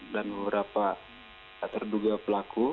dan beberapa terduga pelaku